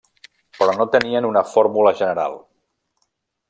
Però no tenien una fórmula general.